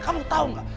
kamu tau gak